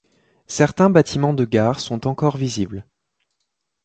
Certains bâtiments de gare sont encore visibles.